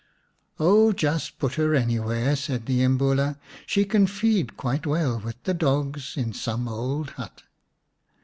"Oh, just put her anywhere," said the Imbula. " She can feed quite well with the dogs in some old hut."